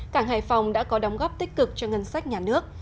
cảng hải phòng đã có đóng góp tích cực cho ngân sách nhà nước